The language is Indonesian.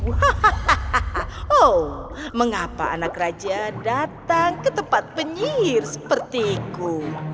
hahaha oh mengapa anak raja datang ke tempat penyihir sepertiku